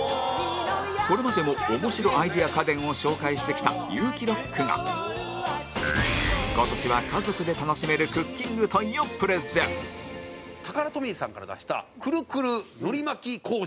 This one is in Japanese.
これまでもオモシロアイデア家電を紹介してきたユウキロックが今年は、家族で楽しめるクッキングトイをプレゼンタカラトミーさんから出したクルクルのりまき工場。